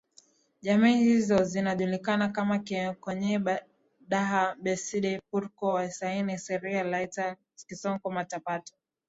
Jamii hizo zinajulikana kama Keekonyokie Daha Besdi Purko Wuasinkishu Siria Laitayiok Loitai Kisonko Matapato